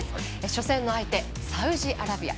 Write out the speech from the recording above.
初戦の相手、サウジアラビア